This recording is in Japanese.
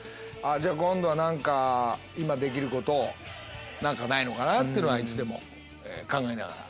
今度は何か今できることないのかな？っていうのはいつでも考えながら。